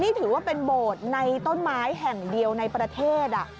นี่ถือว่าเป็นโบสถ์ในต้นไม้แห่งเดียวในประเทศ